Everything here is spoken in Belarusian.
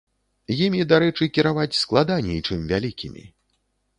Імі, дарэчы, кіраваць складаней, чым вялікімі.